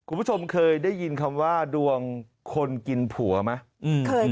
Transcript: คุณผู้ชมเคยได้ยินคำว่าดวงคนกินผัวไหม